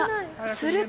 すると。